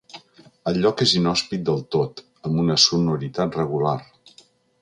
El lloc és inhòspit del tot, amb una sonoritat regular.